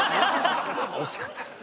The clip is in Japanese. ちょっと惜しかったっす。